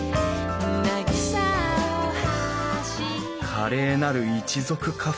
「華麗なる一族カフェ。